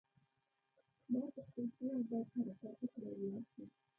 ما وپوښتل څه وخت باید حرکت وکړو او ولاړ شو.